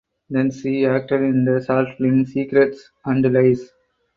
Then she acted in the short film "Secrets and Lies".